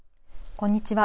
こんにちは。